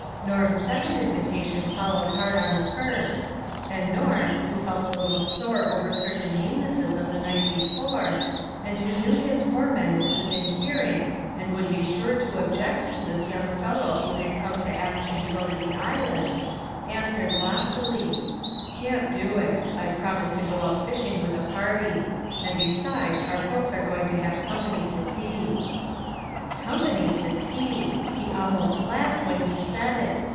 Norm's second invitation followed hard on the first; and Norm, who felt a little sore over cer tain meannesses of the night before, and who knew his foreman was within hearing and would be sure to object to this young fellow who had come to ask him to go to the island, answered loftily :" Can't do it ; I've promised to go out fishing with a party ; and besides, our folks are going to have company to tea." Company to tea ! He almost laughed when he said it.